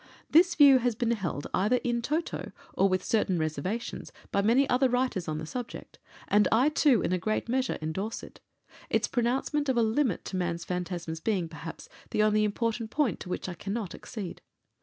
This view has been held either in toto, or with certain reservations, by many other writers on the subject, and I, too, in a great measure endorse it its pronouncement of a limit to man's phantasms being, perhaps, the only important point to which I cannot accede.